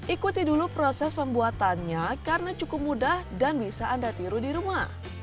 ikuti dulu proses pembuatannya karena cukup mudah dan bisa anda tiru di rumah